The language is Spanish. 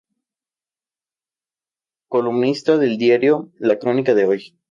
Columnista del diario La Crónica de Hoy.